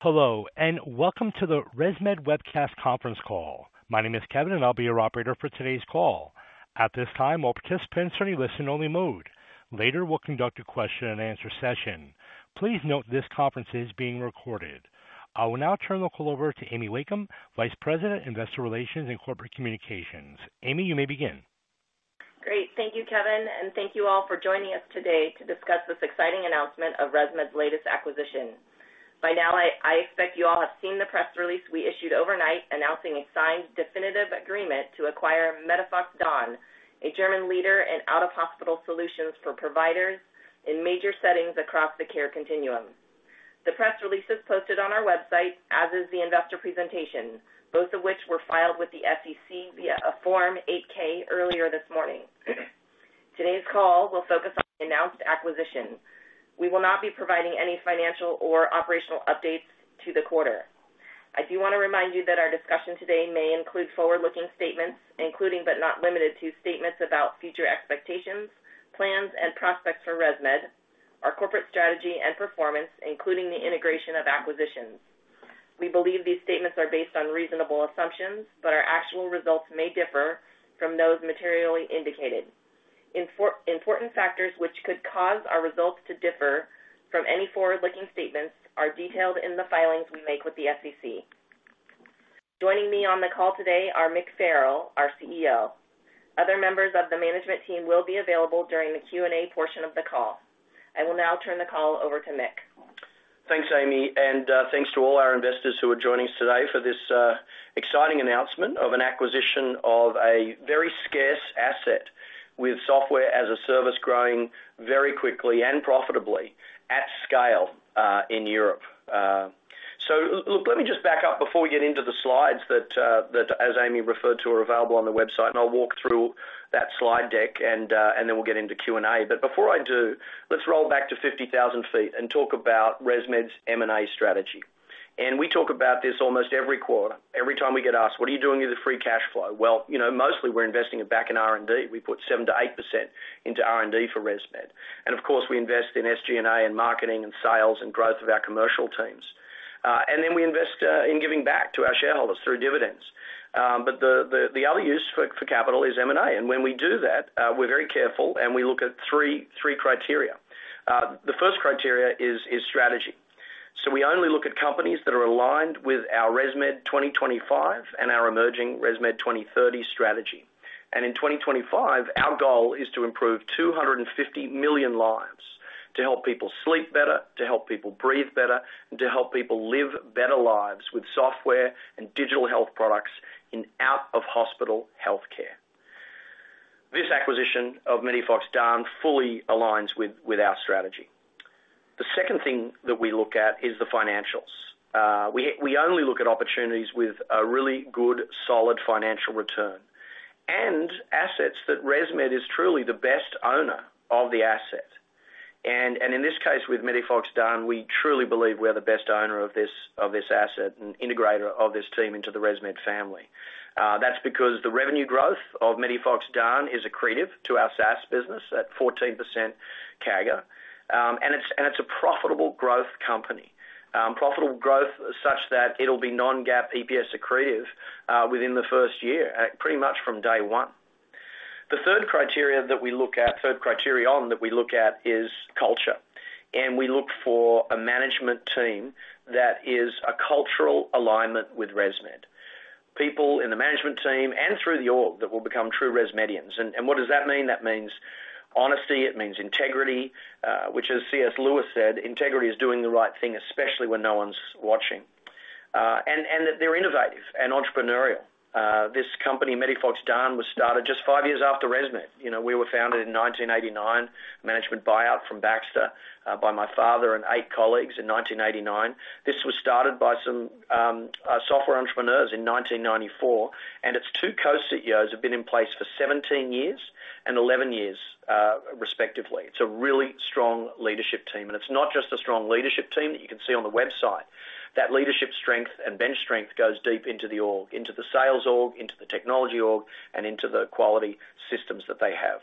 Hello, and welcome to the ResMed webcast conference call. My name is Kevin, and I'll be your operator for today's call. At this time, all participants are in a listen-only mode. Later, we'll conduct a question-and-answer session. Please note this conference is being recorded. I will now turn the call over to Amy Wakeham, Vice President, Investor Relations and Corporate Communications. Amy, you may begin. Great. Thank you, Kevin, and thank you all for joining us today to discuss this exciting announcement of ResMed's latest acquisition. By now, I expect you all have seen the press release we issued overnight announcing a signed definitive agreement to acquire MEDIFOX DAN, a German leader in out-of-hospital solutions for providers in major settings across the care continuum. The press release is posted on our website, as is the investor presentation, both of which were filed with the SEC via a Form 8-K earlier this morning. Today's call will focus on the announced acquisition. We will not be providing any financial or operational updates to the quarter. I do wanna remind you that our discussion today may include forward-looking statements, including but not limited to, statements about future expectations, plans and prospects for ResMed, our corporate strategy and performance, including the integration of acquisitions. We believe these statements are based on reasonable assumptions, but our actual results may differ from those materially indicated. Information on important factors which could cause our results to differ from any forward-looking statements are detailed in the filings we make with the SEC. Joining me on the call today are Mick Farrell, our CEO. Other members of the management team will be available during the Q&A portion of the call. I will now turn the call over to Mick. Thanks, Amy, and thanks to all our investors who are joining us today for this exciting announcement of an acquisition of a very scarce asset with software-as-a-service growing very quickly and profitably at scale in Europe. Look, let me just back up before we get into the slides that as Amy referred to are available on the website, and I'll walk through that slide deck and then we'll get into Q&A. Before I do, let's roll back to fifty thousand feet and talk about ResMed's M&A strategy. We talk about this almost every quarter. Every time we get asked, "What are you doing with the free cash flow?" Well, you know, mostly we're investing it back in R&D. We put 7%-8% into R&D for ResMed. Of course, we invest in SG&A and marketing and sales and growth of our commercial teams. We invest in giving back to our shareholders through dividends. The other use for capital is M&A. When we do that, we're very careful, and we look at three criteria. The first criteria is strategy. We only look at companies that are aligned with our ResMed 2025 and our emerging ResMed 2030 strategy. In 2025, our goal is to improve 250 million lives, to help people sleep better, to help people breathe better, and to help people live better lives with software and digital health products in out-of-hospital healthcare. This acquisition of MEDIFOX DAN fully aligns with our strategy. The second thing that we look at is the financials. We only look at opportunities with a really good solid financial return and assets that ResMed is truly the best owner of the asset. In this case, with MEDIFOX DAN, we truly believe we're the best owner of this asset and integrator of this team into the ResMed family. That's because the revenue growth of MEDIFOX DAN is accretive to our SaaS business at 14% CAGR. It's a profitable growth company. Profitable growth such that it'll be non-GAAP EPS accretive within the first year, pretty much from day one. The third criterion that we look at is culture. We look for a management team that is a cultural alignment with ResMed. People in the management team and through the org that will become true ResMedians. What does that mean? That means honesty. It means integrity, which as C.S. Lewis said, "Integrity is doing the right thing, especially when no one's watching." That they're innovative and entrepreneurial. This company, MEDIFOX DAN, was started just five years after ResMed. You know, we were founded in 1989, management buyout from Baxter, by my father and eight colleagues in 1989. This was started by some software entrepreneurs in 1994, and its two Co-CEOs have been in place for 17 years and 11 years, respectively. It's a really strong leadership team, and it's not just a strong leadership team that you can see on the website. That leadership strength and bench strength goes deep into the org, into the sales org, into the technology org, and into the quality systems that they have.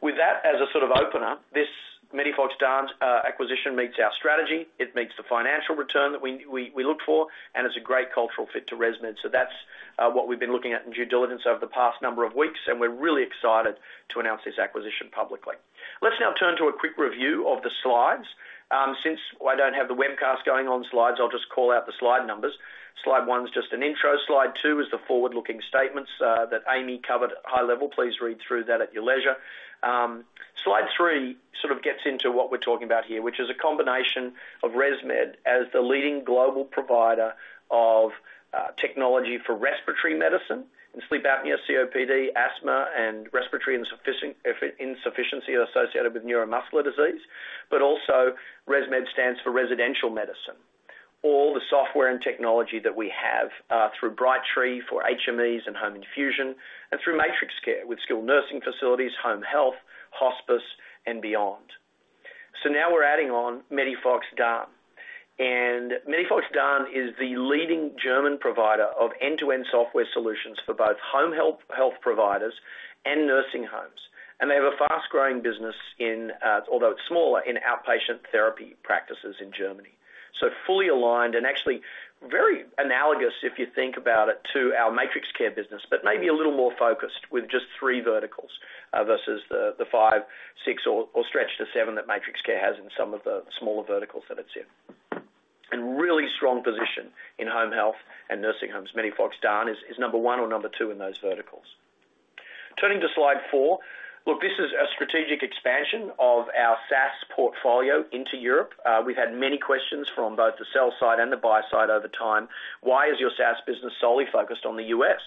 With that as a sort of opener, this MEDIFOX DAN's acquisition meets our strategy. It meets the financial return that we look for, and it's a great cultural fit to ResMed. That's what we've been looking at in due diligence over the past number of weeks, and we're really excited to announce this acquisition publicly. Let's now turn to a quick review of the slides. Since I don't have the webcast going on slides, I'll just call out the slide numbers. Slide one is just an intro. Slide two is the forward-looking statements that Amy covered at high level. Please read through that at your leisure. Slide three sort of gets into what we're talking about here, which is a combination of ResMed as the leading global provider of technology for respiratory medicine in sleep apnea, COPD, asthma, and respiratory insufficiency associated with neuromuscular disease. ResMed stands for residential medicine. All the software and technology that we have through Brightree for HMEs and home infusion and through MatrixCare with skilled nursing facilities, home health, hospice, and beyond. Now we're adding on MEDIFOX DAN. MEDIFOX DAN is the leading German provider of end-to-end software solutions for both home health providers and nursing homes. They have a fast-growing business in, although it's smaller, in outpatient therapy practices in Germany. Fully aligned and actually very analogous, if you think about it, to our MatrixCare business, but maybe a little more focused with just three verticals versus the five, six, or stretched to seven that MatrixCare has in some of the smaller verticals that it's in. Really strong position in home health and nursing homes. MEDIFOX DAN is number one or number two in those verticals. Turning to slide four. Look, this is a strategic expansion of our SaaS portfolio into Europe. We've had many questions from both the sell side and the buy side over time. Why is your SaaS business solely focused on the U.S.?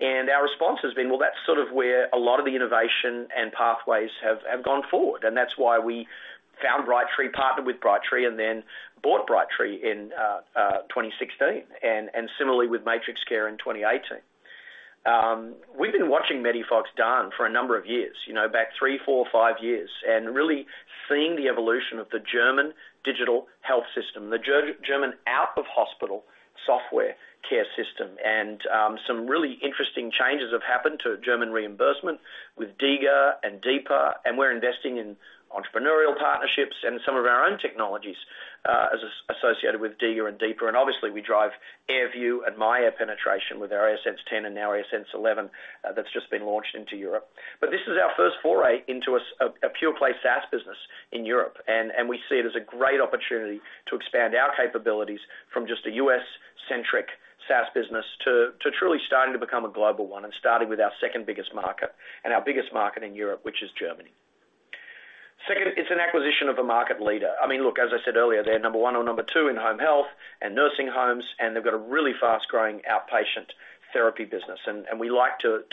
Our response has been, well, that's sort of where a lot of the innovation and pathways have gone forward, and that's why we found Brightree, partnered with Brightree, and then bought Brightree in 2016, and similarly with MatrixCare in 2018. We've been watching MEDIFOX DAN for a number of years, you know, back three, four, five years, and really seeing the evolution of the German digital health system, the German out-of-hospital software care system. Some really interesting changes have happened to German reimbursement with DiGA and DiPA, and we're investing in entrepreneurial partnerships and some of our own technologies as associated with DiGA and DiPA. Obviously, we drive AirView and myAir penetration with our AirSense 10 and now AirSense 11, that's just been launched into Europe. This is our first foray into a pure play SaaS business in Europe. We see it as a great opportunity to expand our capabilities from just a US-centric SaaS business to truly starting to become a global one and starting with our second biggest market and our biggest market in Europe, which is Germany. Second, it's an acquisition of a market leader. I mean, look, as I said earlier, they're number one or number two in home health and nursing homes, and they've got a really fast-growing outpatient therapy business. We like to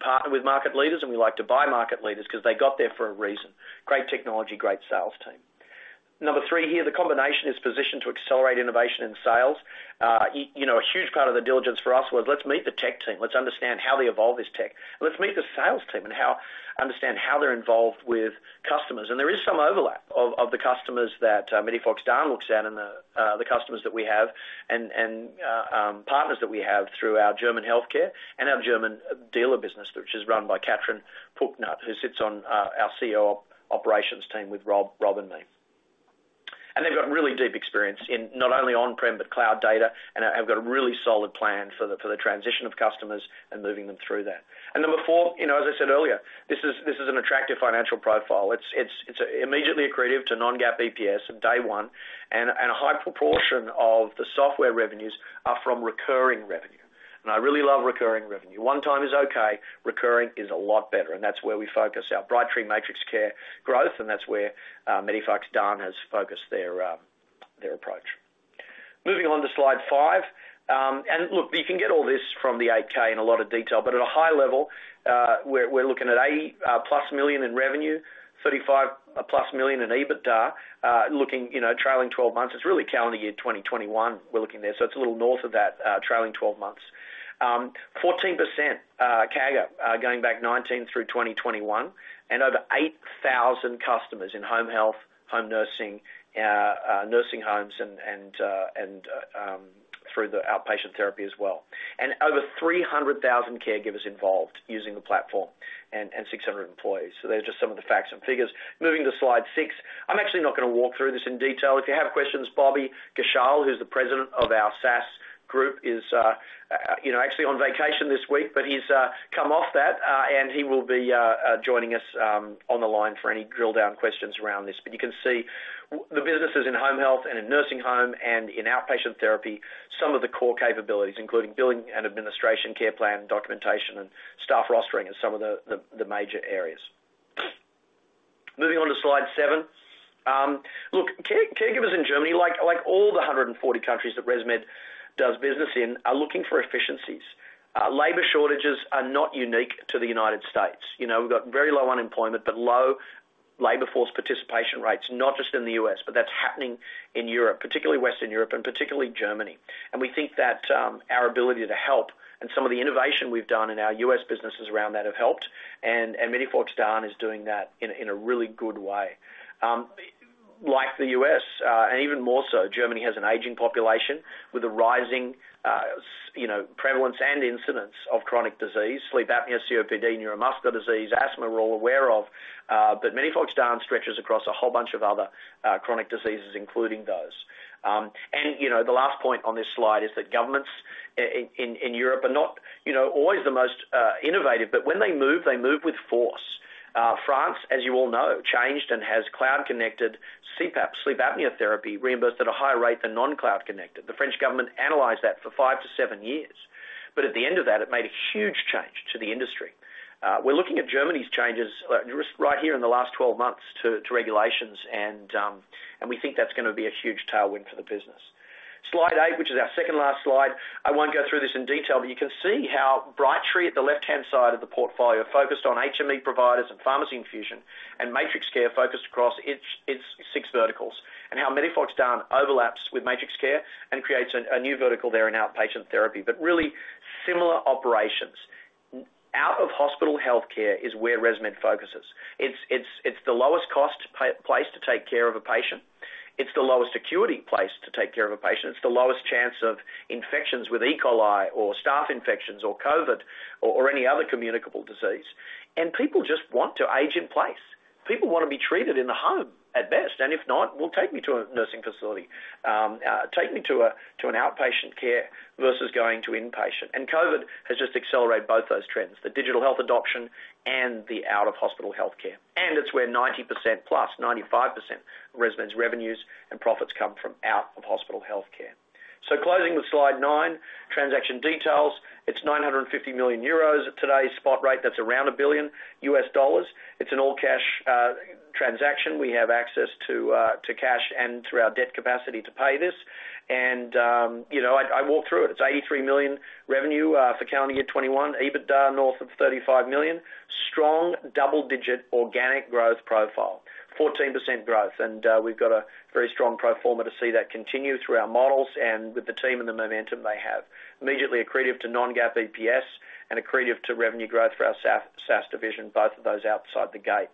partner with market leaders, and we like to buy market leaders 'cause they got there for a reason. Great technology, great sales team. Number three here, the combination is positioned to accelerate innovation in sales. You know, a huge part of the diligence for us was, let's meet the tech team, let's understand how they evolve this tech, and let's meet the sales team, and understand how they're involved with customers. There is some overlap of the customers that MEDIFOX DAN looks at and the customers that we have and partners that we have through our German healthcare and our German dealer business, which is run by Katrin Pucknat, who sits on our CEO operations team with Rob and me. They've got really deep experience in not only on-prem but cloud data, and have got a really solid plan for the transition of customers and moving them through that. Number four, you know, as I said earlier, this is an attractive financial profile. It's immediately accretive to non-GAAP EPS at day one, and a high proportion of the software revenues are from recurring revenue. I really love recurring revenue. One time is okay, recurring is a lot better, and that's where we focus our Brightree MatrixCare growth, and that's where MEDIFOX DAN has focused their approach. Moving on to slide five. Look, you can get all this from the 8-K in a lot of detail, but at a high level, we're looking at $80+ million in revenue, $35+ million in EBITDA, looking trailing 12 months. It's really calendar year 2021 we're looking there, so it's a little north of that, trailing 12 months. 14% CAGR going back 2019 through 2021, and over 8,000 customers in home health, home nursing homes and through the outpatient therapy as well. Over 300,000 caregivers involved using the platform and 600 employees. So there's just some of the facts and figures. Moving to slide six. I'm actually not gonna walk through this in detail. If you have questions, Bobby Ghoshal, who's the president of our SaaS group, is, you know, actually on vacation this week, but he's come off that, and he will be joining us on the line for any drill-down questions around this. You can see the businesses in home health and in nursing home and in outpatient therapy, some of the core capabilities, including billing and administration, care plan, documentation, and staff rostering are some of the major areas. Moving on to slide seven. Look, caregivers in Germany, like all the 140 countries that ResMed does business in, are looking for efficiencies. Labor shortages are not unique to the United States. You know, we've got very low unemployment, but low labor force participation rates, not just in the U.S., but that's happening in Europe, particularly Western Europe and particularly Germany. We think that our ability to help and some of the innovation we've done in our U.S. businesses around that have helped and MEDIFOX DAN is doing that in a really good way. Like the U.S., and even more so, Germany has an aging population with a rising, you know, prevalence and incidence of chronic disease, sleep apnea, COPD, neuromuscular disease, asthma, we're all aware of, but MEDIFOX DAN stretches across a whole bunch of other, chronic diseases, including those. You know, the last point on this slide is that governments in Europe are not, you know, always the most, innovative, but when they move, they move with force. France, as you all know, changed and has cloud-connected CPAP sleep apnea therapy reimbursed at a higher rate than non-cloud connected. The French government analyzed that for 5-7 years, but at the end of that, it made a huge change to the industry. We're looking at Germany's changes just right here in the last 12 months to regulations and we think that's gonna be a huge tailwind for the business. Slide eight, which is our second last slide. I won't go through this in detail, but you can see how Brightree at the left-hand side of the portfolio focused on HME providers and pharmacy infusion, and MatrixCare focused across its six verticals, and how MEDIFOX DAN overlaps with MatrixCare and creates a new vertical there in outpatient therapy, but really similar operations. Out-of-hospital healthcare is where ResMed focuses. It's the lowest cost place to take care of a patient. It's the lowest acuity place to take care of a patient. It's the lowest chance of infections with E. coli or staph infections or COVID or any other communicable disease. People just want to age in place. People wanna be treated in the home at best, and if not, well, take me to a nursing facility. Take me to an outpatient care versus going to inpatient. COVID has just accelerated both those trends, the digital health adoption and the out-of-hospital health care. It's where 90%+, 95% of ResMed's revenues and profits come from out-of-hospital health care. Closing with slide nine, transaction details. It's 950 million euros. At today's spot rate, that's around $1 billion. It's an all-cash transaction. We have access to cash and through our debt capacity to pay this. You know, I walked through it. It's $83 million revenue for calendar year 2021. EBITDA north of $35 million. Strong double-digit organic growth profile, 14% growth. We've got a very strong pro forma to see that continue through our models and with the team and the momentum they have. Immediately accretive to non-GAAP EPS and accretive to revenue growth for our SaaS division, both of those outside the gate.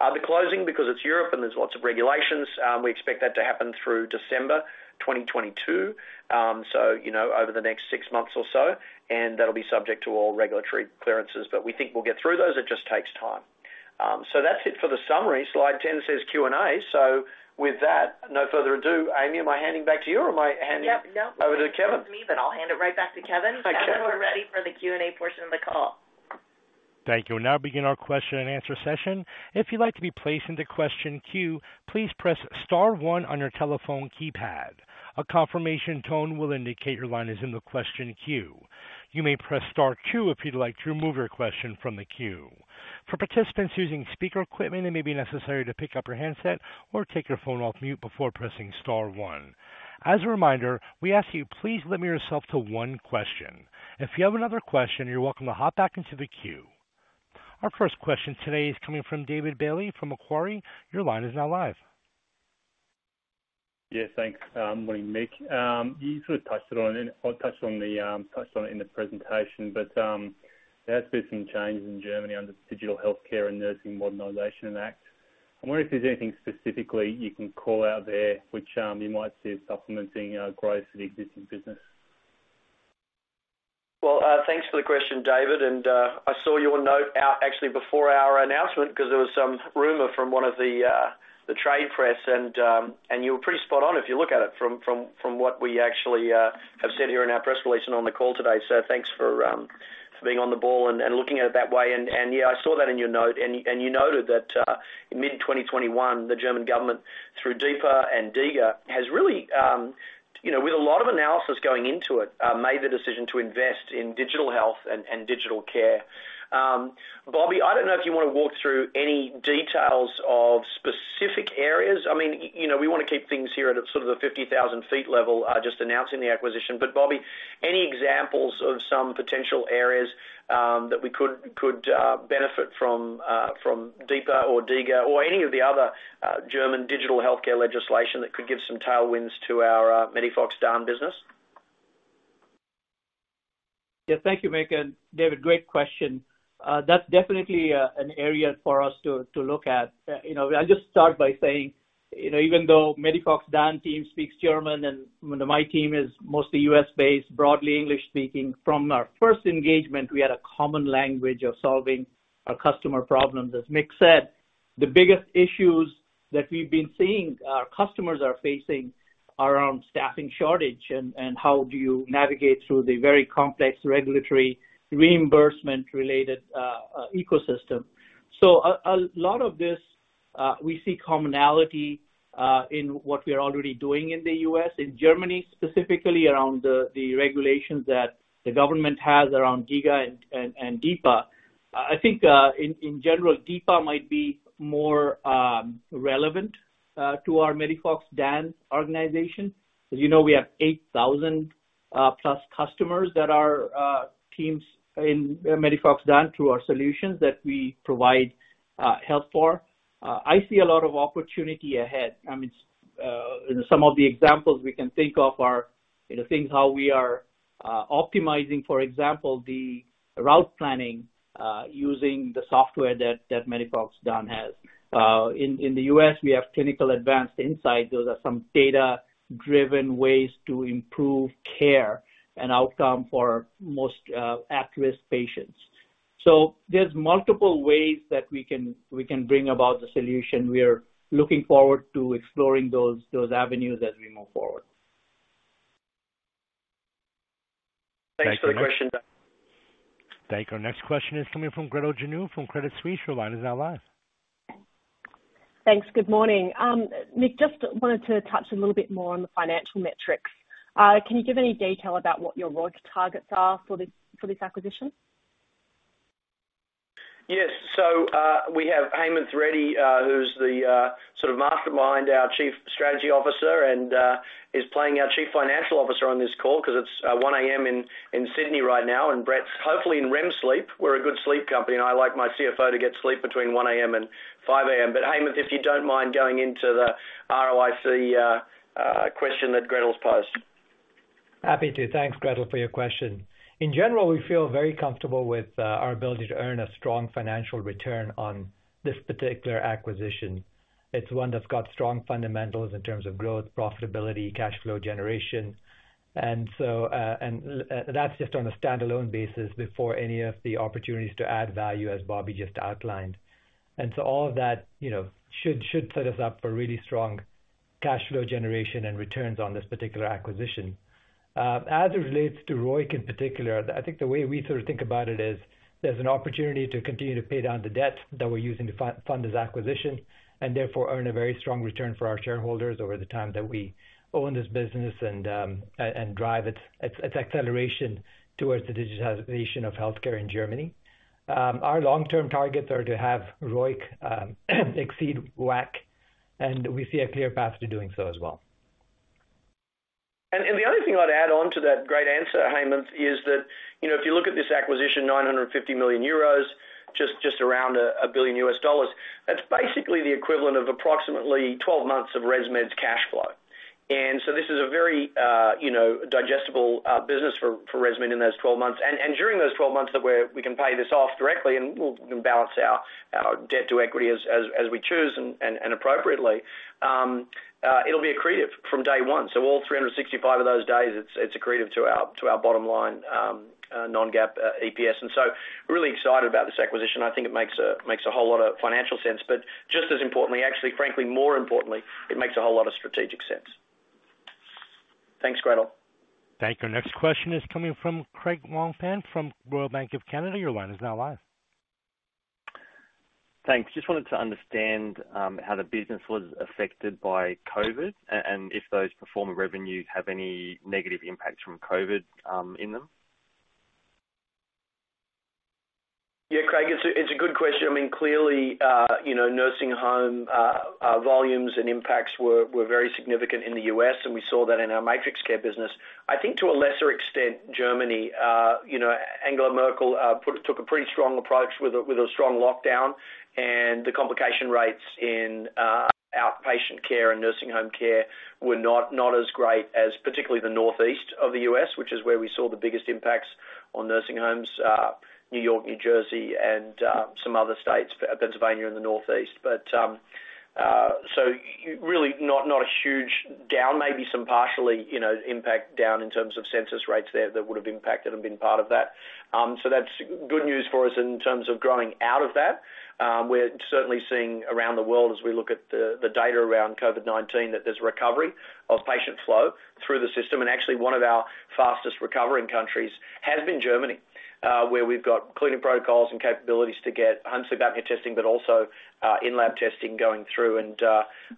The closing, because it's Europe and there's lots of regulations, we expect that to happen through December 2022. You know, over the next six months or so, and that'll be subject to all regulatory clearances. We think we'll get through those. It just takes time. That's it for the summary. Slide 10 says Q&A. With that, no further ado, Amy, am I handing back to you or am I handing- Yep. Nope. Over to Kevin? It's me. I'll hand it right back to Kevin. Thanks, Amy. Kevin, we're ready for the Q&A portion of the call. Thank you. We'll now begin our question-and-answer session. If you'd like to be placed into question queue, please press star one on your telephone keypad. A confirmation tone will indicate your line is in the question queue. You may press star two if you'd like to remove your question from the queue. For participants using speaker equipment, it may be necessary to pick up your handset or take your phone off mute before pressing star one. As a reminder, we ask you please limit yourself to one question. If you have another question, you're welcome to hop back into the queue. Our first question today is coming from David Bailey from Macquarie. Your line is now live. Yeah, thanks. Good morning, Mick. You sort of touched on it in the presentation, but there has been some changes in Germany under the Digital Healthcare and Nursing Modernization Act. I'm wondering if there's anything specifically you can call out there which you might see as supplementing growth to the existing business. Well, thanks for the question, David. I saw your note out actually before our announcement because there was some rumor from one of the trade press, and you were pretty spot on if you look at it from what we actually have said here in our press release and on the call today. Thanks for being on the ball and looking at it that way. Yeah, I saw that in your note. You noted that in mid-2021, the German government through DiPA and DiGA has really you know, with a lot of analysis going into it, made the decision to invest in digital health and digital care. Bobby, I don't know if you wanna walk through any details of specific areas. I mean, you know, we wanna keep things here at a sort of a 50,000 feet level, just announcing the acquisition. Bobby, any examples of some potential areas that we could benefit from DiPA or DiGA or any of the other German digital healthcare legislation that could give some tailwinds to our MEDIFOX DAN business? Yeah. Thank you, Mick. David, great question. That's definitely an area for us to look at. You know, I'll just start by saying, you know, even though MEDIFOX DAN team speaks German and my team is mostly U.S. based, broadly English speaking, from our first engagement, we had a common language of solving our customer problems. As Mick said, the biggest issues that we've been seeing our customers are facing are around staffing shortage and how do you navigate through the very complex regulatory reimbursement related ecosystem. A lot of this, we see commonality in what we are already doing in the U.S. In Germany, specifically around the regulations that the government has around DiGA and DiPA. I think in general, DiPA might be more relevant to our MEDIFOX DAN organization. As you know, we have 8,000+ customers that are teams in MEDIFOX DAN through our solutions that we provide health for. I see a lot of opportunity ahead. I mean, some of the examples we can think of are, you know, things how we are optimizing, for example, the route planning using the software that MEDIFOX DAN has. In the US, we have clinical advanced insight. Those are some data-driven ways to improve care and outcome for most at-risk patients. There's multiple ways that we can bring about the solution. We are looking forward to exploring those avenues as we move forward. Thanks for the question, David. Thank you. Our next question is coming from Gretel Janu from Credit Suisse. Your line is now live. Thanks. Good morning. Mick, just wanted to touch a little bit more on the financial metrics. Can you give any detail about what your ROIC targets are for this acquisition? Yes. We have Hemanth Reddy, who's the sort of mastermind, our Chief Strategy Officer, and is playing our Chief Financial Officer on this call 'cause it's 1:00 A.M. in Sydney right now, and Brett's hopefully in REM sleep. We're a good sleep company, and I like my CFO to get sleep between 1:00 A.M. and 5:00 A.M. Hemanth, if you don't mind going into the ROIC question that Gretel's posed. Happy to. Thanks, Gretel, for your question. In general, we feel very comfortable with our ability to earn a strong financial return on this particular acquisition. It's one that's got strong fundamentals in terms of growth, profitability, cash flow generation. That's just on a standalone basis before any of the opportunities to add value as Bobby just outlined. All of that, you know, should set us up for really strong cash flow generation and returns on this particular acquisition. As it relates to ROIC in particular, I think the way we sort of think about it is, there's an opportunity to continue to pay down the debt that we're using to fund this acquisition, and therefore earn a very strong return for our shareholders over the time that we own this business and drive its acceleration towards the digitization of healthcare in Germany. Our long-term targets are to have ROIC exceed WACC, and we see a clear path to doing so as well. The only thing I'd add on to that great answer, Hemanth, is that, you know, if you look at this acquisition, 950 million euros, just around $1 billion, that's basically the equivalent of approximately 12 months of ResMed's cash flow. This is a very, you know, digestible business for ResMed in those 12 months. During those 12 months we can pay this off directly and we'll balance our debt to equity as we choose and appropriately. It'll be accretive from day one. All 365 of those days, it's accretive to our bottom line, non-GAAP EPS. Really excited about this acquisition. I think it makes a whole lot of financial sense, but just as importantly, actually, frankly, more importantly, it makes a whole lot of strategic sense. Thanks, Gretel. Thank you. Next question is coming from Craig Wong-Pan from Royal Bank of Canada. Your line is now live. Thanks. Just wanted to understand how the business was affected by COVID, and if those performer revenues have any negative impacts from COVID in them. Yeah, Craig, it's a good question. I mean, clearly, you know, nursing home volumes and impacts were very significant in the U.S., and we saw that in our MatrixCare business. I think to a lesser extent, Germany, you know, Angela Merkel took a pretty strong approach with a strong lockdown, and the complication rates in outpatient care and nursing home care were not as great as particularly the Northeast of the U.S., which is where we saw the biggest impacts on nursing homes, New York, New Jersey and some other states, Pennsylvania and the Northeast. So really not a huge down, maybe some partial, you know, impact down in terms of census rates there that would have impacted and been part of that. That's good news for us in terms of growing out of that. We're certainly seeing around the world as we look at the data around COVID-19, that there's recovery of patient flow through the system. Actually one of our fastest recovering countries has been Germany, where we've got cleaning protocols and capabilities to get home sleep apnea testing, but also in-lab testing going through.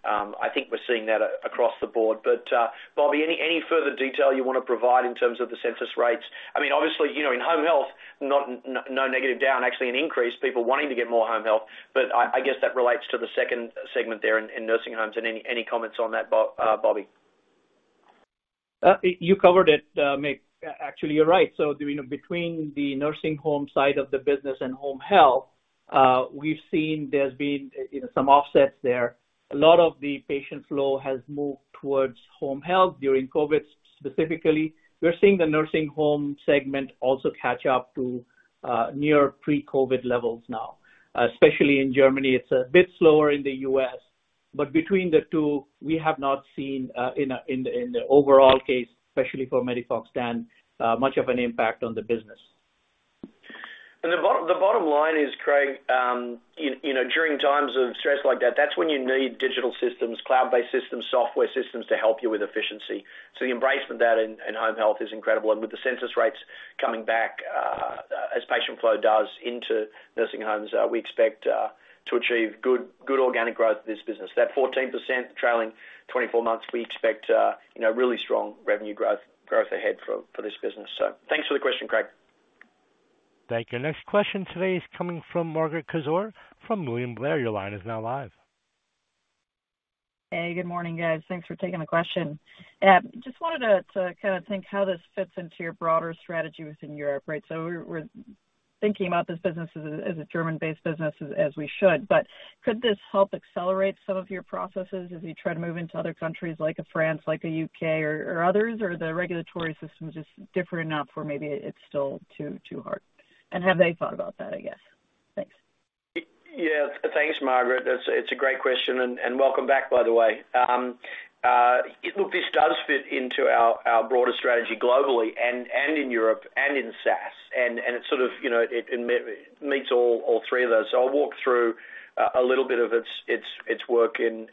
I think we're seeing that across the board. Bobby, any further detail you wanna provide in terms of the census rates? I mean, obviously, you know, in home health, no negative down, actually an increase, people wanting to get more home health. I guess that relates to the second segment there in nursing homes. Any comments on that, Bobby? You covered it, Mick. Actually, you're right. You know, between the nursing home side of the business and home health, we've seen there's been, you know, some offsets there. A lot of the patient flow has moved towards home health during COVID specifically. We're seeing the nursing home segment also catch up to near pre-COVID levels now, especially in Germany. It's a bit slower in the U.S. Between the two, we have not seen in the overall case, especially for MEDIFOX DAN, much of an impact on the business. The bottom line is, Craig, you know, during times of stress like that's when you need digital systems, cloud-based systems, software systems to help you with efficiency. The embrace of that in home health is incredible. With the census rates coming back, as patient flow does into nursing homes, we expect to achieve good organic growth of this business. That 14% trailing 24 months, we expect you know, really strong revenue growth ahead for this business. Thanks for the question, Craig. Thank you. Next question today is coming from Margaret Kaczor from William Blair. Your line is now live. Hey, good morning, guys. Thanks for taking the question. Just wanted to kinda think how this fits into your broader strategy within Europe, right? We're thinking about this business as a German-based business as we should. Could this help accelerate some of your processes as you try to move into other countries like France, like a U.K. or others? The regulatory system is just different enough where maybe it's still too hard? Have they thought about that, I guess? Thanks. Yeah. Thanks, Margaret. That's. It's a great question, and welcome back, by the way. Look, this does fit into our broader strategy globally and in Europe and in SaaS. It sort of, you know, it meets all three of those. I'll walk through a little bit of its work in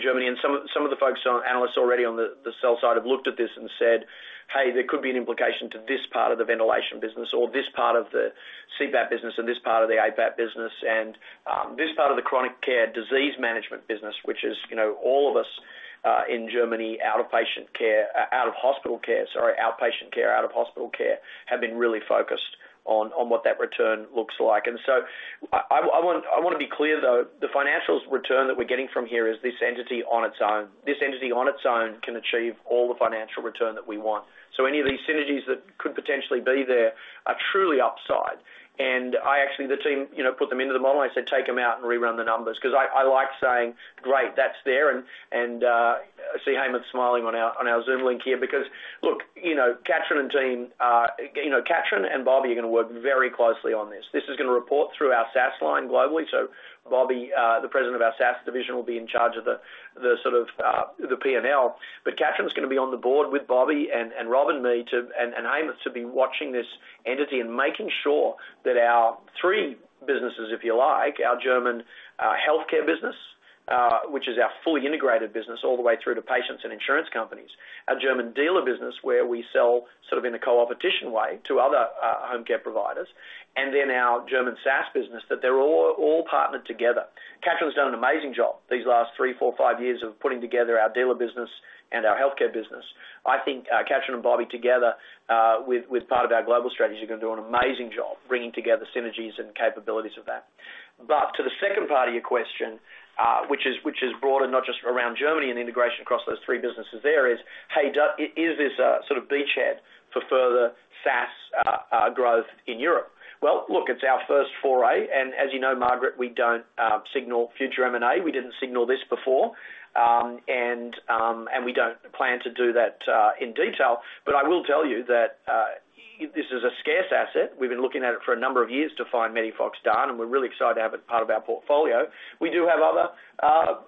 Germany. Some of the folks, analysts already on the sell side have looked at this and said, "Hey, there could be an implication to this part of the ventilation business or this part of the CPAP business or this part of the APAP business and this part of the chronic care disease management business," which is all of us in Germany, outpatient care, out-of-hospital care, have been really focused on what that return looks like. I wanna be clear, though, the financials return that we're getting from here is this entity on its own. This entity on its own can achieve all the financial return that we want. Any of these synergies that could potentially be there are truly upside. I actually... The team, you know, put them into the model. I said, "Take them out and rerun the numbers." 'Cause I like saying, "Great, that's there." I see Hemanth Reddy smiling on our Zoom link here because look, you know, Katrin and team, you know, Katrin and Bobby are gonna work very closely on this. This is gonna report through our SaaS line globally. Bobby Ghoshal, the president of our SaaS division, will be in charge of the sort of the P&L. Katrin is gonna be on the board with Bobby Ghoshal and Rob and me to aim to be watching this entity and making sure that our three businesses, if you like, our German healthcare business, which is our fully integrated business all the way through to patients and insurance companies. Our German dealer business, where we sell sort of in a co-opetition way to other, home care providers, and then our German SaaS business, that they're all partnered together. Katrin's done an amazing job these last three, four, five years of putting together our dealer business and our healthcare business. I think, Katrin and Bobby together, with part of our global strategy, are gonna do an amazing job bringing together synergies and capabilities of that. But to the second part of your question, which is broader, not just around Germany and integration across those three businesses there is, hey, is this a sort of beachhead for further SaaS growth in Europe? Well, look, it's our first foray. As you know, Margaret, we don't signal future M&A. We didn't signal this before, and we don't plan to do that in detail. I will tell you that this is a scarce asset. We've been looking at it for a number of years to find MEDIFOX DAN, and we're really excited to have it part of our portfolio. We do have other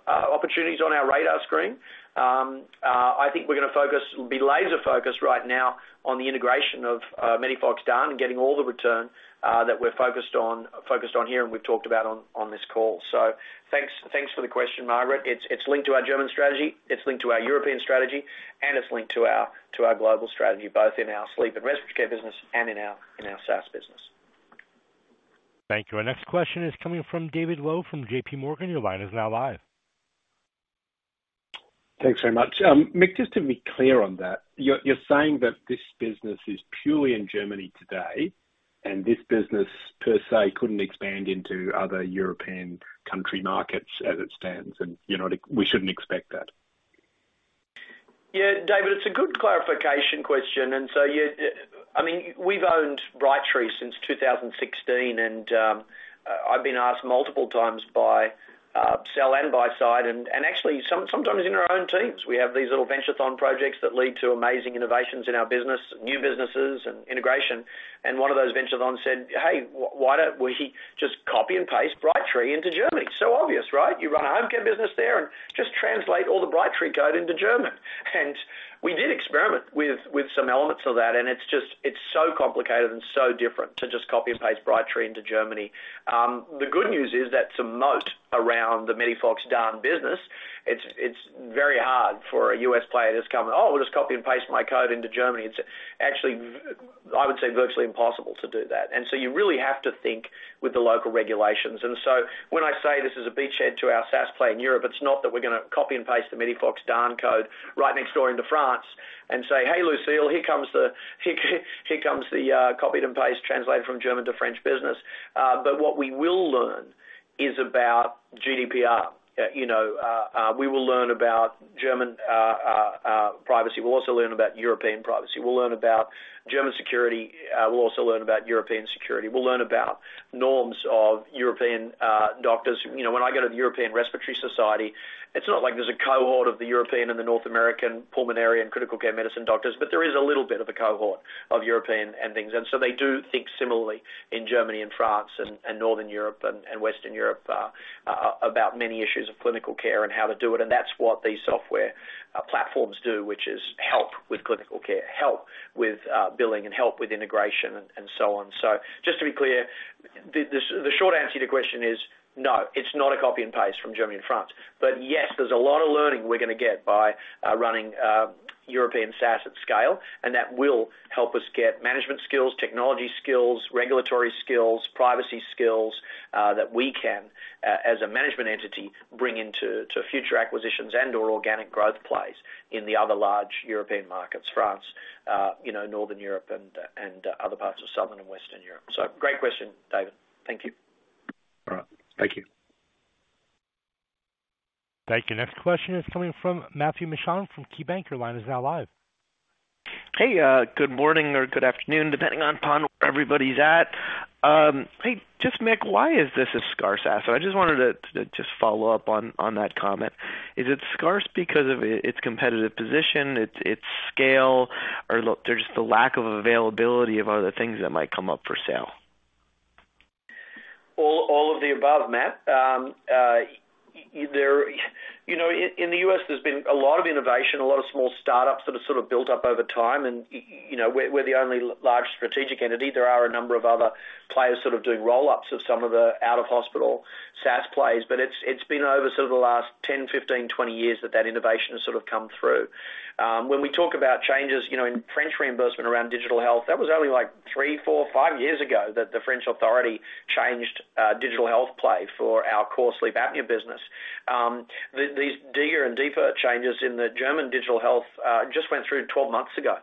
opportunities on our radar screen. I think we're gonna be laser-focused right now on the integration of MEDIFOX DAN, getting all the return that we're focused on here and we've talked about on this call. Thanks for the question, Margaret. It's linked to our German strategy, it's linked to our European strategy, and it's linked to our global strategy, both in our sleep and respiratory care business and in our SaaS business. Thank you. Our next question is coming from David Low from JPMorgan. Your line is now live. Thanks very much. Mick, just to be clear on that, you're saying that this business is purely in Germany today, and this business, per se, couldn't expand into other European country markets as it stands, and we shouldn't expect that? Yeah. David, it's a good clarification question. Yeah, I mean, we've owned Brightree since 2016, and I've been asked multiple times by sell-side and buy-side, and actually sometimes in our own teams, we have these little Venturethon projects that lead to amazing innovations in our business, new businesses and integration. One of those Venturethon said, "Hey, why don't we just copy and paste Brightree into Germany?" Obvious, right? You run a home care business there and just translate all the Brightree code into German. We did experiment with some elements of that, and it's just so complicated and so different to just copy and paste Brightree into Germany. The good news is that's a moat around the MEDIFOX DAN business. It's very hard for a U.S. player to just come and, "Oh, we'll just copy and paste my code into Germany." It's actually virtually impossible to do that. You really have to think with the local regulations. When I say this is a beachhead to our SaaS play in Europe, it's not that we're gonna copy and paste the MEDIFOX DAN code right next door into France and say, "Hey, Lucile, here comes the copied and paste translated from German to French business." What we will learn is about GDPR. You know, we will learn about German privacy. We'll also learn about European privacy. We'll learn about German security. We'll also learn about European security. We'll learn about norms of European doctors. You know, when I go to the European Respiratory Society, it's not like there's a cohort of the European and the North American pulmonary and critical care medicine doctors, but there is a little bit of a cohort of European and things. They do think similarly in Germany and France and Northern Europe and Western Europe about many issues of clinical care and how to do it. That's what these software platforms do, which is help with clinical care, help with billing and help with integration and so on. Just to be clear, the short answer to your question is no, it's not a copy and paste from Germany and France. Yes, there's a lot of learning we're gonna get by running European SaaS at scale, and that will help us get management skills, technology skills, regulatory skills, privacy skills, that we can as a management entity bring into to future acquisitions and or organic growth plays in the other large European markets, France, you know, Northern Europe and other parts of Southern and Western Europe. Great question, David. Thank you. All right. Thank you. Thank you. Next question is coming from Matthew Mishan from KeyBank. Your line is now live. Hey, good morning or good afternoon, depending on time where everybody's at. Hey, just Mick, why is this a scarce asset? I just wanted to follow up on that comment. Is it scarce because of its competitive position, its scale, or there's the lack of availability of other things that might come up for sale? All of the above, Matt. You know, in the US, there's been a lot of innovation, a lot of small startups that have sort of built up over time. You know, we're the only large strategic entity. There are a number of other players sort of doing roll-ups of some of the out-of-hospital SaaS plays. It's been over sort of the last 10, 15, 20 years that innovation has sort of come through. When we talk about changes, you know, in French reimbursement around digital health, that was only like three, four, five years ago that the French authority changed digital health play for our core sleep apnea business. These deeper and deeper changes in the German digital health just went through 12 months ago.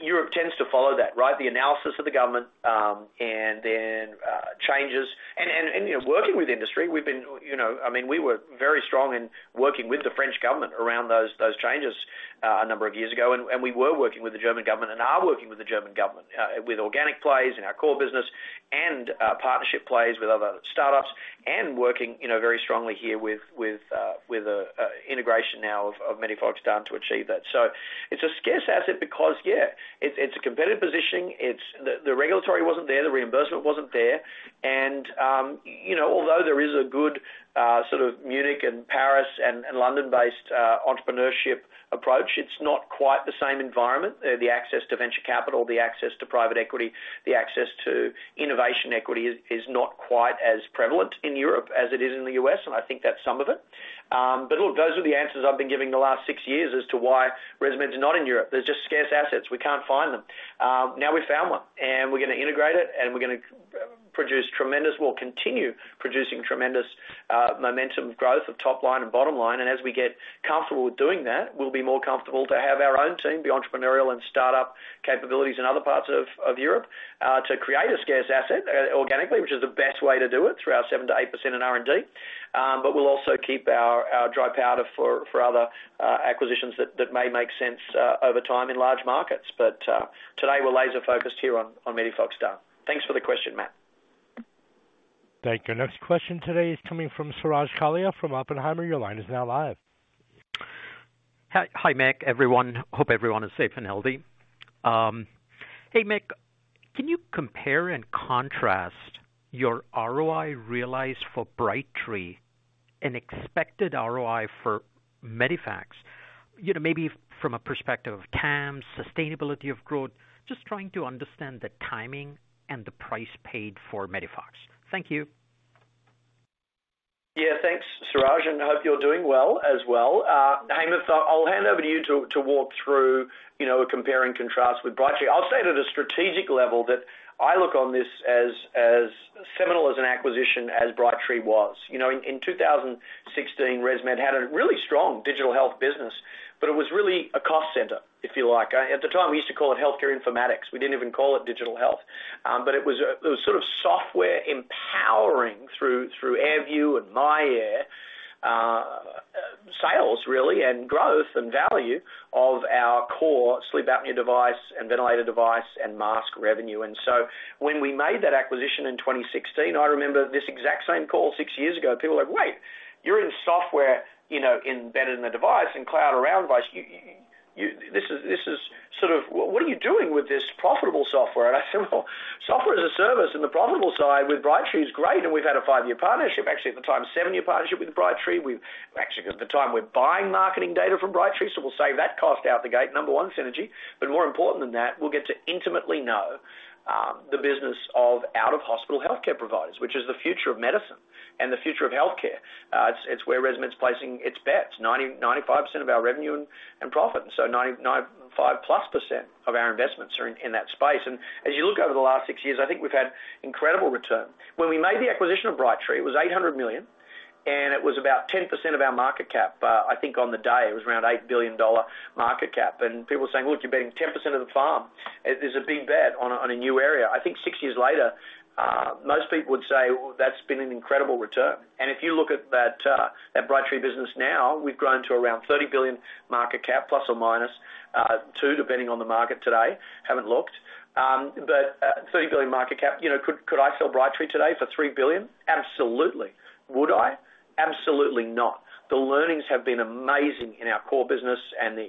Europe tends to follow that, right? The analysis of the government and then changes. You know, working with industry, we've been you know. I mean, we were very strong in working with the French government around those changes a number of years ago. We were working with the German government and are working with the German government with organic plays in our core business and partnership plays with other startups and working you know very strongly here with integration now of MEDIFOX DAN to achieve that. It's a scarce asset because yeah it's a competitive positioning. It's. The regulatory wasn't there, the reimbursement wasn't there. You know, although there is a good sort of Munich and Paris and London-based entrepreneurship approach, it's not quite the same environment. The access to venture capital, the access to private equity, the access to innovation equity is not quite as prevalent in Europe as it is in the US, and I think that's some of it. Look, those are the answers I've been giving the last six years as to why ResMed's not in Europe. There's just scarce assets. We can't find them. Now we found one, and we're gonna integrate it, and we'll continue producing tremendous momentum growth of top line and bottom line. As we get comfortable with doing that, we'll be more comfortable to have our own team be entrepreneurial and start-up capabilities in other parts of Europe to create a scarce asset organically, which is the best way to do it, through our 7%-8% in R&D. We'll also keep our dry powder for other acquisitions that may make sense over time in large markets. Today we're laser-focused here on MEDIFOX DAN. Thanks for the question, Matt. Thank you. Next question today is coming from Suraj Kalia from Oppenheimer. Your line is now live. Hi. Hi, Mick, everyone. Hope everyone is safe and healthy. Hey, Mick, can you compare and contrast your ROI realized for Brightree and expected ROI for MEDIFOX DAN? You know, maybe from a perspective of TAM, sustainability of growth, just trying to understand the timing and the price paid for MEDIFOX DAN. Thank you. Yeah, thanks, Suraj, and hope you're doing well as well. Hemant, I'll hand over to you to walk through, you know, compare and contrast with Brightree. I'll say at a strategic level that I look on this as seminal as an acquisition as Brightree was. You know, in 2016, ResMed had a really strong digital health business, but it was really a cost center, if you like. At the time, we used to call it healthcare informatics. We didn't even call it digital health. But it was sort of software empowering through AirView and myAir, sales really, and growth and value of our core sleep apnea device and ventilator device and mask revenue. When we made that acquisition in 2016, I remember this exact same call six years ago. People were like, "Wait, you're in software, you know, embedded in the device and cloud around device. This is sort of what are you doing with this profitable software?" I said, "Well, software as a service and the profitable side with Brightree is great, and we've had a 5-year partnership." Actually, at the time, 7-year partnership with Brightree. Actually, at the time, we're buying marketing data from Brightree, so we'll save that cost out the gate, number one, synergy. But more important than that, we'll get to intimately know the business of out-of-hospital healthcare providers, which is the future of medicine and the future of healthcare. It's where ResMed's placing its bets, 95% of our revenue and profit. 99.5%+ of our investments are in that space. As you look over the last six years, I think we've had incredible return. When we made the acquisition of Brightree, it was $800 million, and it was about 10% of our market cap. I think on the day it was around $8 billion market cap. People were saying, "Look, you're betting 10% of the farm. There's a big bet on a, on a new area." I think six years later, most people would say that's been an incredible return. If you look at that Brightree business now, we've grown to around $30 billion market cap ±$2 billion, depending on the market today. Haven't looked. $30 billion market cap. Could I sell Brightree today for $3 billion? Absolutely. Would I? Absolutely not. The learnings have been amazing in our core business and the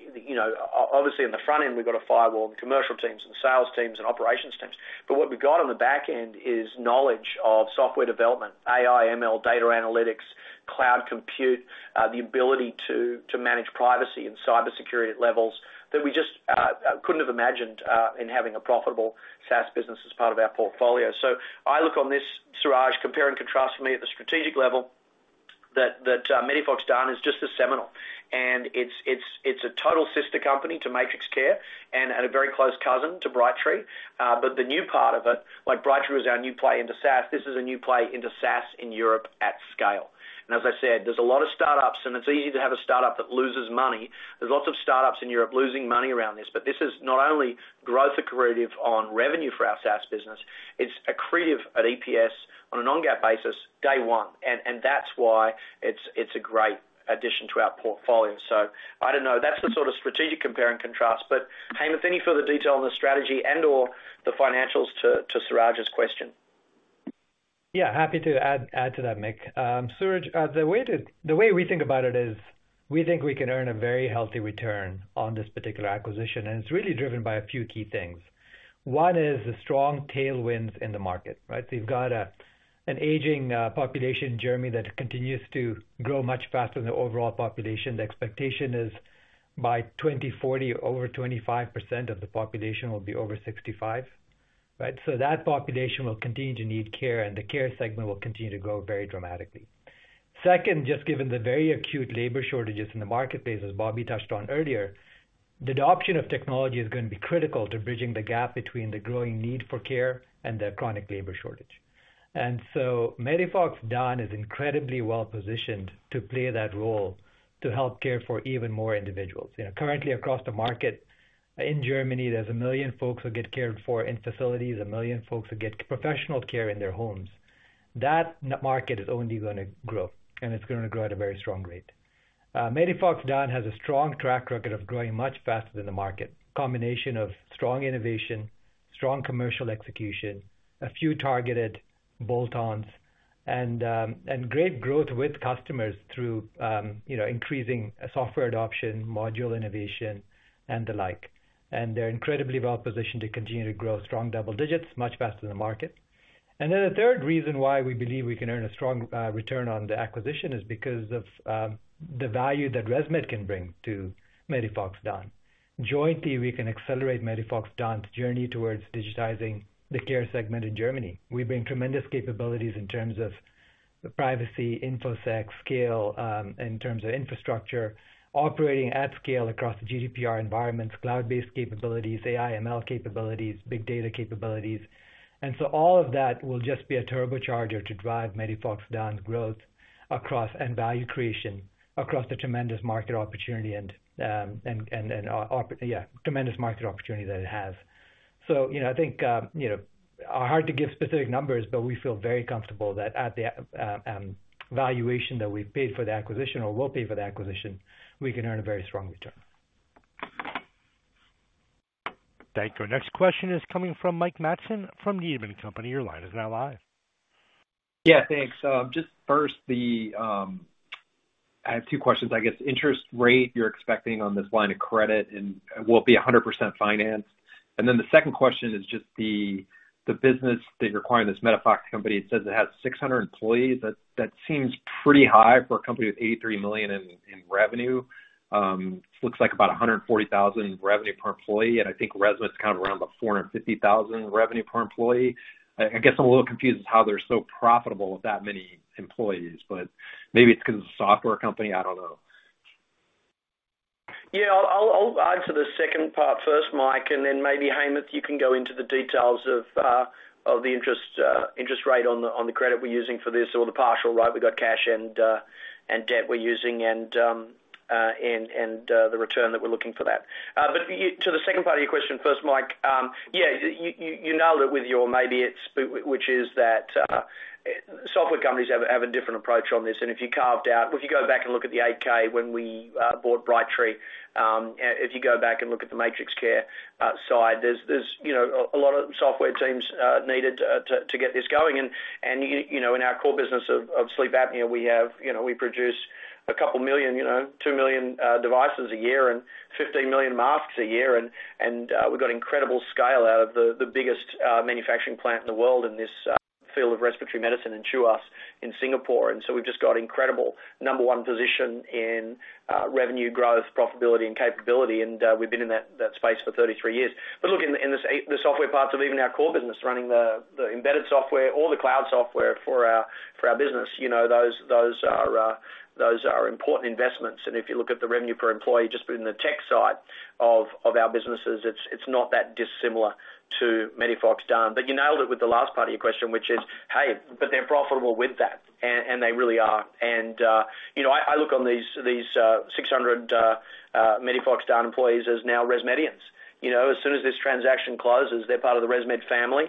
obviously on the front end, we've got a firewall, the commercial teams and the sales teams and operations teams. But what we've got on the back end is knowledge of software development, AI, ML, data analytics, cloud compute, the ability to manage privacy and cybersecurity at levels that we just couldn't have imagined in having a profitable SaaS business as part of our portfolio. I look on this, Suraj, compare and contrast for me at the strategic level that MEDIFOX DAN is just as seminal. It's a total sister company to MatrixCare and a very close cousin to Brightree. The new part of it, like Brightree was our new play into SaaS, this is a new play into SaaS in Europe at scale. As I said, there's a lot of startups, and it's easy to have a startup that loses money. There's lots of startups in Europe losing money around this. This is not only growth accretive on revenue for our SaaS business, it's accretive at EPS on a non-GAAP basis day one. That's why it's a great addition to our portfolio. I don't know. That's the sort of strategic compare and contrast. Hemant, any further detail on the strategy and/or the financials to Suraj's question? Yeah, happy to add to that, Mick. Suraj, the way we think about it is we think we can earn a very healthy return on this particular acquisition, and it's really driven by a few key things. One is the strong tailwinds in the market, right? So you've got an aging population in Germany that continues to grow much faster than the overall population. The expectation is by 2040, over 25% of the population will be over 65, right? So that population will continue to need care, and the care segment will continue to grow very dramatically. Second, just given the very acute labor shortages in the marketplace, as Bobby touched on earlier, the adoption of technology is going to be critical to bridging the gap between the growing need for care and the chronic labor shortage. MEDIFOX DAN is incredibly well-positioned to play that role, to help care for even more individuals. You know, currently across the market in Germany, there's 1 million folks who get cared for in facilities, 1 million folks who get professional care in their homes. That in-market is only gonna grow, and it's gonna grow at a very strong rate. MEDIFOX DAN has a strong track record of growing much faster than the market. Combination of strong innovation, strong commercial execution, a few targeted bolt-ons, and great growth with customers through, you know, increasing software adoption, module innovation, and the like. They're incredibly well-positioned to continue to grow strong double digits much faster than the market. Then the third reason why we believe we can earn a strong return on the acquisition is because of the value that ResMed can bring to MEDIFOX DAN. Jointly, we can accelerate MEDIFOX DAN's journey towards digitizing the care segment in Germany. We bring tremendous capabilities in terms of privacy, InfoSec, scale, in terms of infrastructure, operating at scale across the GDPR environments, cloud-based capabilities, AI ML capabilities, big data capabilities. All of that will just be a turbocharger to drive MEDIFOX DAN's growth across, and value creation, across the tremendous market opportunity that it has. You know, I think, you know, hard to give specific numbers, but we feel very comfortable that at the valuation that we've paid for the acquisition or will pay for the acquisition, we can earn a very strong return. Thank you. Next question is coming from Mike Matson from Needham & Company. Your line is now live. Yeah, thanks. Just first, the I have two questions, I guess. Interest rate you're expecting on this line of credit and will it be 100% finance? Then the second question is just the business that you're acquiring, this MEDIFOX DAN company, it says it has 600 employees. That seems pretty high for a company with $83 million in revenue. Looks like about 140,000 revenue per employee, and I think ResMed's kind of around about 450,000 revenue per employee. I guess I'm a little confused how they're so profitable with that many employees, but maybe it's because it's a software company, I don't know. Yeah. I'll answer the second part first, Mike, and then maybe, Hemant, you can go into the details of the interest rate on the credit we're using for this or the partial, right? We've got cash and debt we're using and the return that we're looking for that. To the second part of your question first, Mike. Yeah, you nailed it with your maybe it's, which is that, software companies have a different approach on this. If you go back and look at the 8-K when we bought Brightree and the MatrixCare side, there's, you know, a lot of software teams needed to get this going. You know, in our core business of sleep apnea, we have, you know, we produce a couple million, you know, 2 million devices a year and 15 million masks a year. We've got incredible scale out of the biggest manufacturing plant in the world in this field of respiratory medicine in Tuas in Singapore. We've just got incredible number one position in revenue growth, profitability, and capability. We've been in that space for 33 years. Look, in the software parts of even our core business, running the embedded software or the cloud software for our business, you know, those are important investments. If you look at the revenue per employee just in the tech side of our businesses, it's not that dissimilar to MEDIFOX DAN. You nailed it with the last part of your question, which is, hey, but they're profitable with that, and they really are. You know, I look on these 600 MEDIFOX DAN employees as now ResMedians. You know, as soon as this transaction closes, they're part of the ResMed family.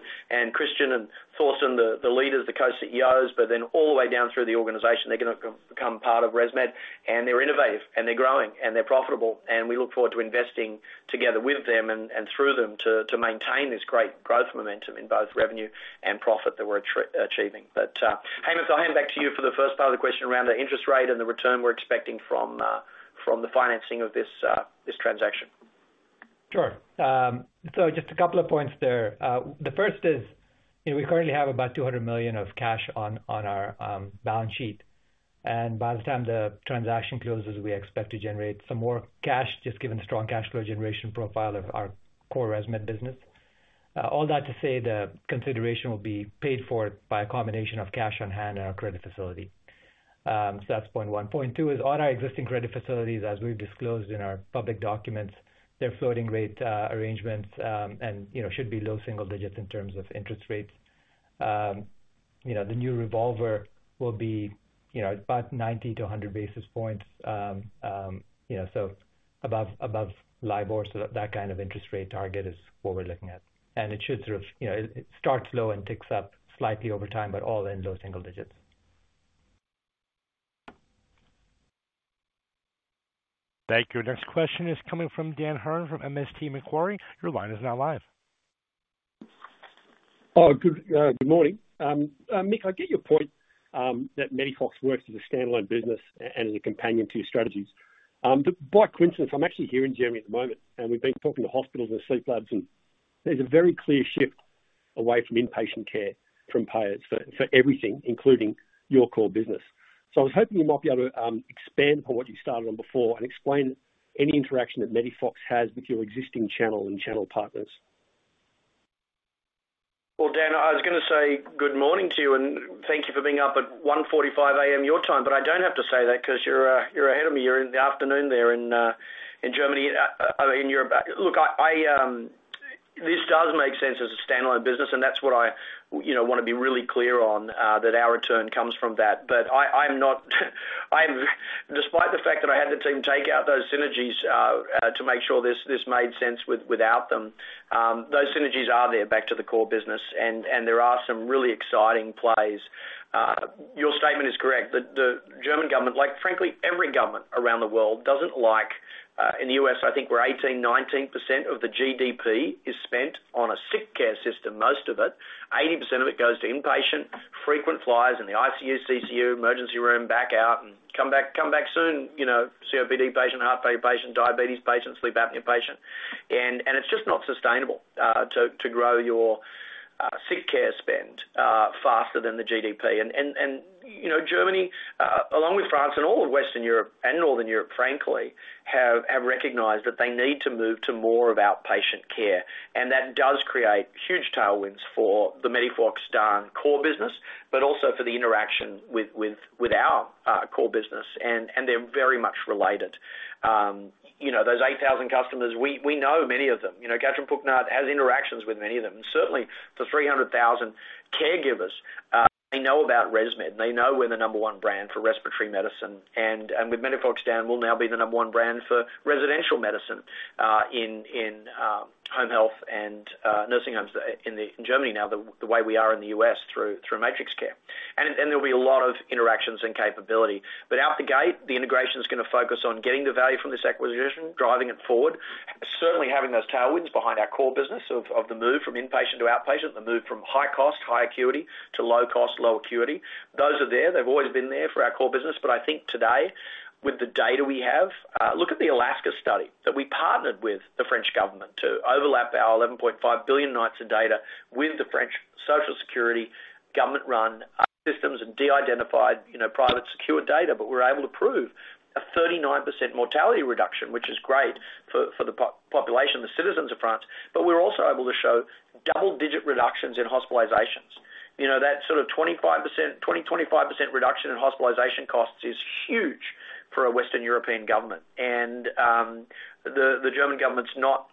Christian and Thorsten, the leaders, the Co-CEOs, but then all the way down through the organization, they're gonna become part of ResMed. They're innovative, and they're growing, and they're profitable. We look forward to investing together with them and through them to maintain this great growth momentum in both revenue and profit that we're achieving. Hemanth, I'll hand back to you for the first part of the question around the interest rate and the return we're expecting from the financing of this transaction. Sure. Just a couple of points there. The first is, you know, we currently have about $200 million of cash on our balance sheet, and by the time the transaction closes, we expect to generate some more cash, just given the strong cash flow generation profile of our core ResMed business. All that to say the consideration will be paid for by a combination of cash on hand and our credit facility. That's point one. Point two is all our existing credit facilities, as we've disclosed in our public documents, they're floating rate arrangements, and, you know, should be low single digits in terms of interest rates. You know, the new revolver will be, you know, about 90-100 basis points, so above LIBOR. that kind of interest rate target is what we're looking at. It should sort of, you know, it starts low and ticks up slightly over time, but all in low single digits. Thank you. Next question is coming from Dan Hurren from MST Marquee. Your line is now live. Oh, good morning. Mick, I get your point, that MEDIFOX DAN works as a standalone business and as a companion to your strategies. By coincidence, I'm actually here in Germany at the moment, and we've been talking to hospitals and sleep labs, and there's a very clear shift away from inpatient care from payers for everything, including your core business. I was hoping you might be able to expand on what you started on before and explain any interaction that MEDIFOX DAN has with your existing channel and channel partners. Well, Dan, I was gonna say good morning to you, and thank you for being up at 1:45 A.M. your time, but I don't have to say that 'cause you're ahead of me. You're in the afternoon there in Germany, in Europe. Look, this does make sense as a standalone business, and that's what I, you know, wanna be really clear on, that our return comes from that. But I'm not. Despite the fact that I had the team take out those synergies, to make sure this made sense without them, those synergies are there back to the core business, and there are some really exciting plays. Your statement is correct. The German government, like frankly, every government around the world, doesn't like, in the US, I think we're 18%-19% of the GDP is spent on a sick care system, most of it. 80% of it goes to inpatient, frequent flyers in the ICU, CCU, emergency room, back out and come back soon, you know, COPD patient, heart failure patient, diabetes patient, sleep apnea patient. It's just not sustainable, to grow your sick care spend, faster than the GDP. You know, Germany along with France and all of Western Europe and Northern Europe, frankly, have recognized that they need to move to more of outpatient care, and that does create huge tailwinds for the MEDIFOX DAN core business, but also for the interaction with our core business, and they're very much related. You know, those 8,000 customers, we know many of them. You know, Katrin Pucknat has interactions with many of them. And certainly the 300,000 caregivers, they know about ResMed. They know we're the number one brand for respiratory medicine. And with MEDIFOX DAN, we'll now be the number one brand for residential medicine in home health and nursing homes in Germany now, the way we are in the U.S. through MatrixCare. There'll be a lot of interactions and capability. Out the gate, the integration's gonna focus on getting the value from this acquisition, driving it forward. Certainly having those tailwinds behind our core business of the move from inpatient to outpatient, the move from high cost, high acuity to low cost, low acuity. Those are there. They've always been there for our core business. I think today, with the data we have, look at the ALASKA study, that we partnered with the French government to overlap our 11.5 billion nights of data with the French Sécurité sociale government-run systems and de-identified, private, secure data. We're able to prove a 39% mortality reduction, which is great for the population, the citizens of France. We're also able to show double-digit reductions in hospitalizations. You know, that sort of 20%-25% reduction in hospitalization costs is huge for a Western European government. The German government's not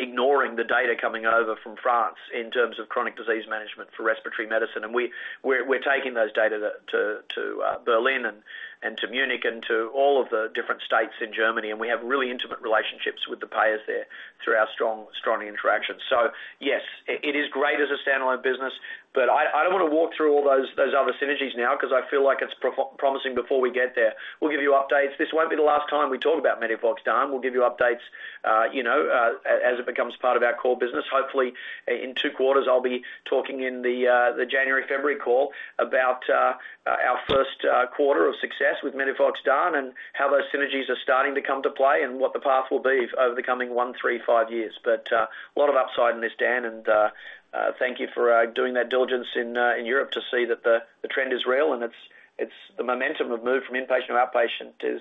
ignoring the data coming over from France in terms of chronic disease management for respiratory medicine. We're taking those data to Berlin and to Munich and to all of the different states in Germany, and we have really intimate relationships with the payers there through our strong interactions. Yes, it is great as a standalone business, but I don't wanna walk through all those other synergies now 'cause I feel like it's promising before we get there. We'll give you updates. This won't be the last time we talk about MEDIFOX DAN. We'll give you updates, you know, as it becomes part of our core business. Hopefully in two quarters, I'll be talking in the January, February call about our first quarter of success with MEDIFOX DAN and how those synergies are starting to come to play and what the path will be over the coming one, three, five years. A lot of upside in this, Dan, and thank you for doing that diligence in Europe to see that the trend is real and it's the momentum of move from inpatient to outpatient is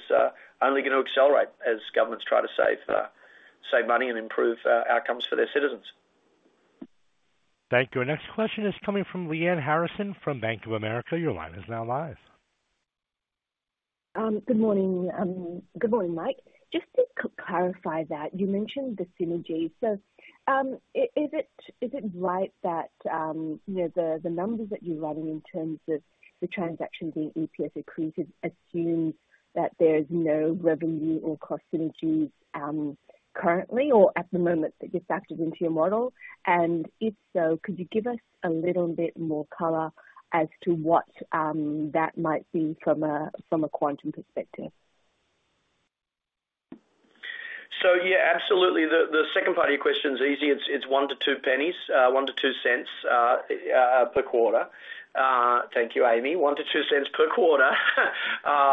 only gonna accelerate as governments try to save money and improve outcomes for their citizens. Thank you. Our next question is coming from Lyanne Harrison from Bank of America. Your line is now live. Good morning, Mike. Just to clarify that, you mentioned the synergies. Is it right that, you know, the numbers that you're running in terms of the transaction being EPS accretive assumes that there's no revenue or cost synergies, currently or at the moment that gets factored into your model? If so, could you give us a little bit more color as to what that might be from a quantum perspective? Yeah, absolutely. The second part of your question is easy. It's 1-2 pennies, $0.01-$0.02 per quarter. Thank you, Amy. $0.01-$0.02 per quarter.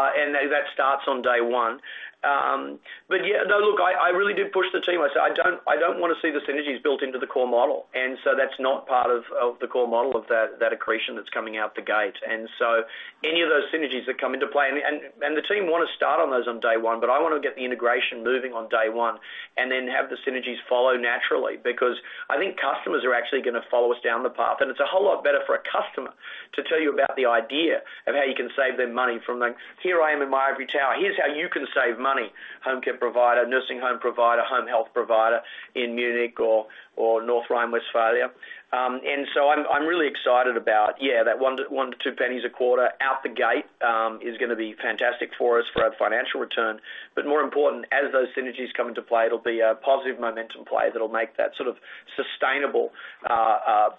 That starts on day one. Yeah. No, look, I really did push the team. I said, "I don't wanna see the synergies built into the core model." That's not part of the core model of that accretion that's coming out the gate. Any of those synergies that come into play. The team wanna start on those on day one, but I wanna get the integration moving on day one and then have the synergies follow naturally. Because I think customers are actually gonna follow us down the path, and it's a whole lot better for a customer to tell you about the idea of how you can save them money from the "Here I am in my ivory tower. Here's how you can save money" home care provider, nursing home provider, home health provider in Munich or North Rhine-Westphalia. I am really excited about that 1-2 pennies a quarter out the gate is gonna be fantastic for us for our financial return. More important, as those synergies come into play, it'll be a positive momentum play that'll make that sort of sustainable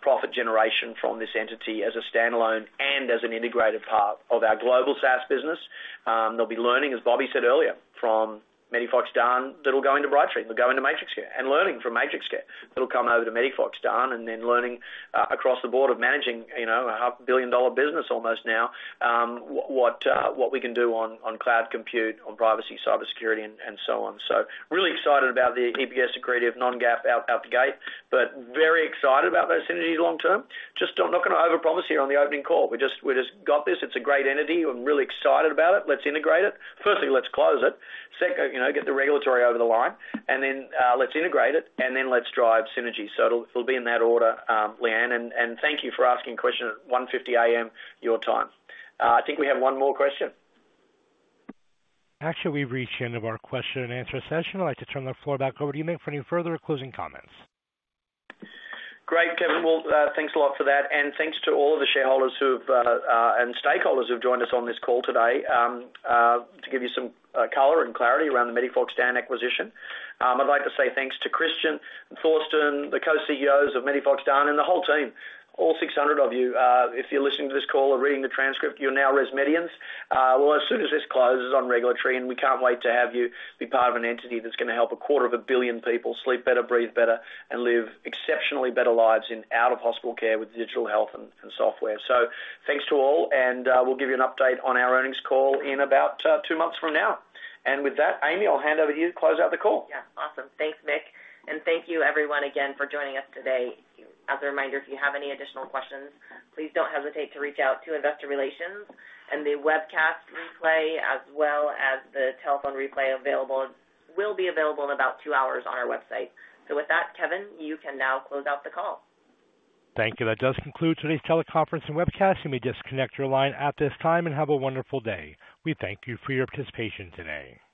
profit generation from this entity as a standalone and as an integrated part of our global SaaS business. They'll be learning, as Bobby said earlier, from MEDIFOX DAN that'll go into Brightree, that'll go into MatrixCare. Learning from MatrixCare that'll come over to MEDIFOX DAN and then learning across the board of managing, you know, a half billion-dollar business almost now, what we can do on cloud compute, on privacy, cyber security, and so on. Really excited about the EPS accretive non-GAAP out the gate, but very excited about those synergies long term. Just not gonna overpromise here on the opening call. We just got this. It's a great entity. I'm really excited about it. Let's integrate it. Let's close it. Second, you know, get the regulatory over the line. Then let's integrate it, and then let's drive synergy. It'll be in that order, Lyanne. Thank you for asking a question at 1:50 A.M. your time. I think we have one more question. Actually, we've reached the end of our question and answer session. I'd like to turn the floor back over to you, Mike, for any further closing comments. Great, Kevin. Well, thanks a lot for that. Thanks to all of the shareholders who've and stakeholders who've joined us on this call today, to give you some color and clarity around the MEDIFOX DAN acquisition. I'd like to say thanks to Christian and Thorsten, the Co-CEOs of MEDIFOX DAN, and the whole team, all 600 of you. If you're listening to this call or reading the transcript, you're now ResMedians, well, as soon as this closes on regulatory, and we can't wait to have you be part of an entity that's gonna help a quarter of a billion people sleep better, breathe better, and live exceptionally better lives in out-of-hospital care with digital health and software. Thanks to all, and we'll give you an update on our earnings call in about two months from now. With that, Amy, I'll hand over to you to close out the call. Yeah. Awesome. Thanks, Mick. Thank you everyone again for joining us today. As a reminder, if you have any additional questions, please don't hesitate to reach out to Investor Relations. The webcast replay as well as the telephone replay available, will be available in about two hours on our website. With that, Kevin, you can now close out the call. Thank you. That does conclude today's teleconference and webcast. You may disconnect your line at this time, and have a wonderful day. We thank you for your participation today.